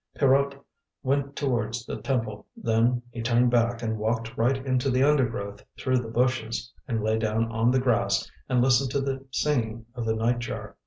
Pierrot went towards the temple, then he turned back and walked right into the undergrowth through the bushes, and lay down on the grass, and listened to the singing of the night jar.